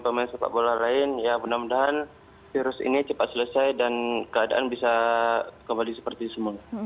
pemain sepak bola lain ya mudah mudahan virus ini cepat selesai dan keadaan bisa kembali seperti semua